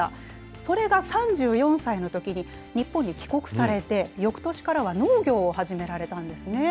それが３４歳のときに日本に帰国されて、よくとしからは農業を始められたんですね。